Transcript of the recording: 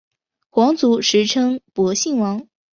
皇族时称博信王。